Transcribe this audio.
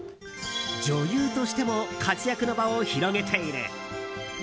女優としても活躍の場を広げている。